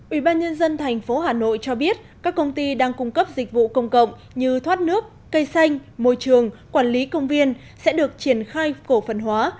ủy ban nhân dân thành phố hà nội cho biết các công ty đang cung cấp dịch vụ công cộng như thoát nước cây xanh môi trường quản lý công viên sẽ được triển khai cổ phần hóa